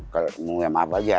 kalau mau ngomong apa aja